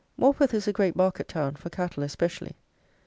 Morpeth is a great market town, for cattle especially.